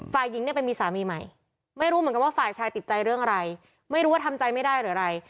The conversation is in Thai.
ฝ่ายหญิงเนี่ยไปมีสามีใหม่ไม่รู้เหมือนกันว่าฝ่ายชายติดใจเรื่องอะไรไม่รู้ว่าทำใจไม่ได้หรืออะไร